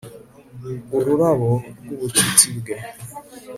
Ururabo rwubucuti bwe